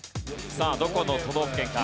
さあどこの都道府県か？